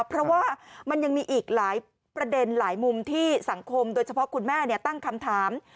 เพราะว่ามันยังมีอีกหลายประเด็นหลายมุมที่สังคมโดยเฉพาะคุณแม่ตั้งคำถาม